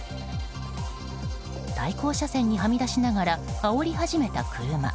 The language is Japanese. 対向車線にはみ出しながらあおり始めた車。